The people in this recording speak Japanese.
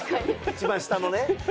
一番下のね。